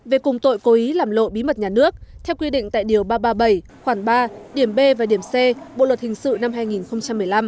về cùng tội cố ý làm lộ bí mật nhà nước theo quy định tại điều ba trăm ba mươi bảy khoảng ba điểm b và điểm c bộ luật hình sự năm hai nghìn một mươi năm